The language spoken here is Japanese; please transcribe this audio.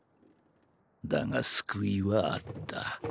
だが救いはあった。